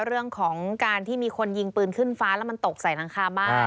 เรื่องของการที่มีคนยิงปืนขึ้นฟ้าแล้วมันตกใส่หลังคาบ้าน